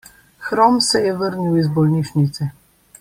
Hrom se je vrnil iz bolnišnice.